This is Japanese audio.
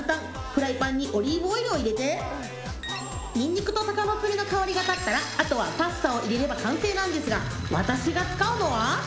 フライパンにオリーブオイルを入れてニンニクと鷹の爪の香りが立ったらあとはパスタを入れれば完成なんですが私が使うのは